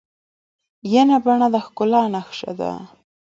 ینه بڼه د ښکلا نخښه ده.